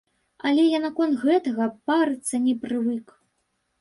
Але я наконт гэтага парыцца не прывык.